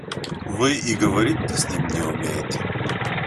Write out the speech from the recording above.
Вы и говорить-то с ним не умеете.